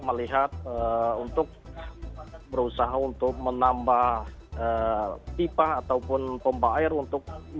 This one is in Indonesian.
melihat untuk berusaha untuk menambah pipa ataupun pompa air untuk